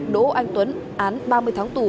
đỗ anh tuấn án ba mươi tháng tù